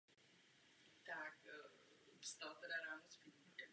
Mimo jiné zde probíhala představení ochotnického divadla.